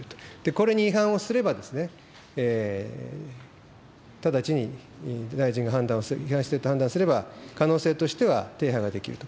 これに違反をすれば、直ちに大臣が違反していると判断すれば、可能性としては、停波ができると。